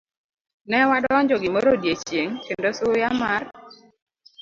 Ne wadonjo gimoro odiechieng' kendo suya mar